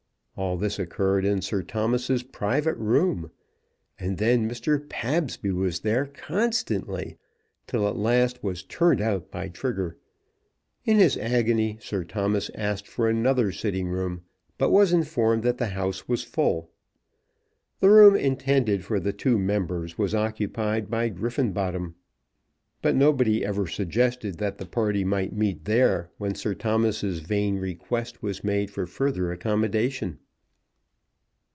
All this occurred in Sir Thomas's private room. And then Mr. Pabsby was there constantly, till he at last was turned out by Trigger. In his agony, Sir Thomas asked for another sitting room; but was informed that the house was full. The room intended for the two members was occupied by Griffenbottom; but nobody ever suggested that the party might meet there when Sir Thomas's vain request was made for further accommodation.